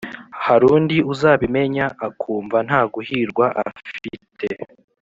harundi uzabimenya akumva ntaguhirwa afite